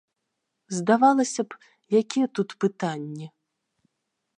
Здавалася б, якія тут пытанні.